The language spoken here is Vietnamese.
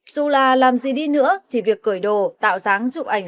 dù là làm gì đi nữa thì việc cởi đồ tạo dáng chụp ảnh